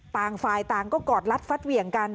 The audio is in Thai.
ต่างฝ่ายต่างก็กอดรัดฟัดเหวี่ยงกัน